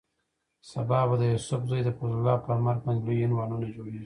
سبا به د یوسف زو د فضل الله پر مرګ باندې لوی عنوانونه جوړېږي.